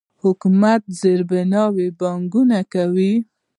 حکومت په زیربناوو پانګونه کوي.